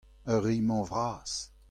Ar re-mañ vras.